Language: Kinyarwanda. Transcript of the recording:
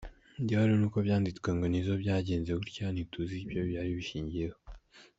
Igihari ni uko byanditswe ngo ‘Nizzo byagenze gutya, ntituzi icyo byari bishingiyeho’ …”.